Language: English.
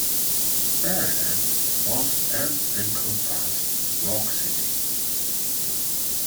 Fairyland was and encompassed Rock City.